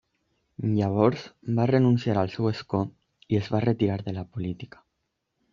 Llavors va renunciar al seu escó i es va retirar de la política.